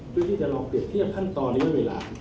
ด้วยที่จะลองเปรียบเทียบท่านตอนนี้เวลา